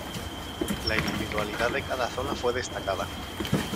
La individualidad de cada zona fue destacada.